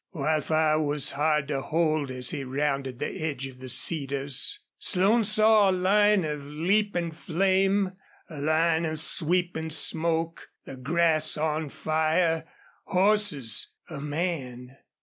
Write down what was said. Wildfire was hard to hold as he rounded the edge of the cedars. Slone saw a line of leaping flame, a line of sweeping smoke, the grass on fire ... horses! a man!